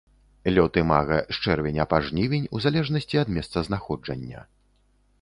Лёт імага з чэрвеня па жнівень у залежнасці ад месцазнаходжання.